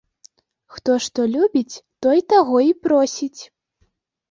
Хто што любіць, той таго і просіць.